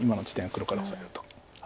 黒からオサれると。